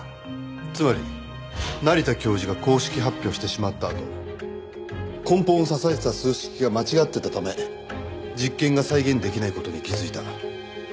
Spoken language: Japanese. つまり成田教授が公式発表してしまったあと根本を支えてた数式が間違っていたため実験が再現出来ない事に気づいた。